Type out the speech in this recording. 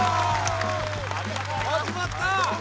始まった！